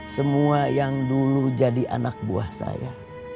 semua yang dulu jadi anak buah saya